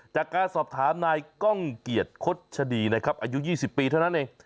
จากการสอบถามนายก้องเกียรติคดชดีนะครับอายุ๒๐ปีเท่านั้นเอง